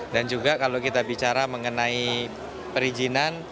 dan juga kalau kita bicara mengenai perizinan